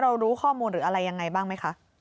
รู้ข้อมูลหรืออะไรยังไงบ้างไหมคะ